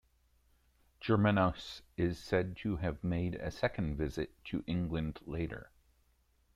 Germanus is said to have made a second visit to England later.